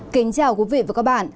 kính chào quý vị và các bạn